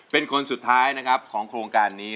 เป็นคนสุดท้ายนะครับของโครงการนี้